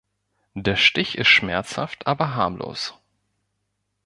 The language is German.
Der Stich ist schmerzhaft aber harmlos.